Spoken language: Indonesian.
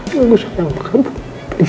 jangan lakukan apa apa